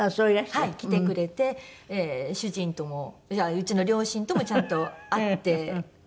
はい。来てくれて主人ともうちの両親ともちゃんと会ってくれて。